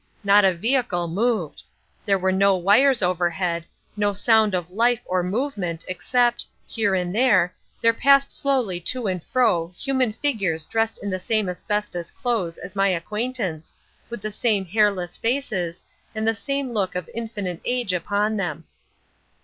Not a vehicle moved. There were no wires overhead—no sound of life or movement except, here and there, there passed slowly to and fro human figures dressed in the same asbestos clothes as my acquaintance, with the same hairless faces, and the same look of infinite age upon them.